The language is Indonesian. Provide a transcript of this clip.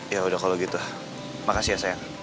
ya udah kalo gitu makasih ya sayang